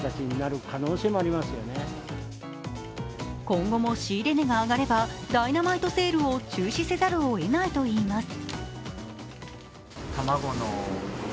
今後も仕入れ値が上がればダイナマイトセールを中止せざるをえないといいます。